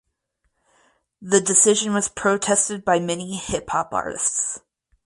The decision was protested by many hip hop artists.